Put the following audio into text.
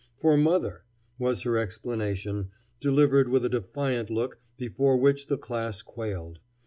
"For mother" was her explanation, delivered with a defiant look before which the class quailed.